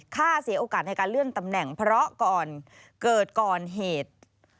ค่าเสียโอกาสในการเลื่อนตำแหน่งเพราะก่อนเกิดก่อนเหตุ